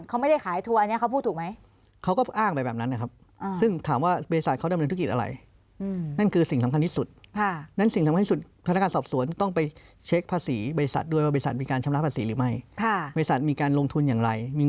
เขาไม่ได้ขายทัวร์อันนี้เขาพูดถูกไหม